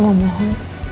jangan menyerah ya